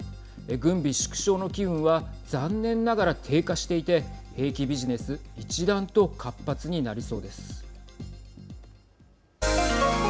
軍備縮小の機運は残念ながら低下していて兵器ビジネス一段と活発になりそうです。